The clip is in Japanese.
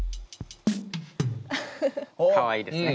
かわいいですね。